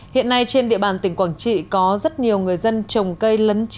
hiện nay trên địa bàn tỉnh quảng trị có rất nhiều người dân trồng cây lấn chiếm